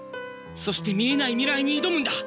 そして見えない未来に挑むんだ！